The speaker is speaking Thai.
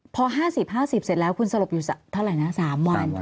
พอ๕๐๕๐เสร็จแล้วคุณสลบอยู่เท่าไหร่นะ๓วัน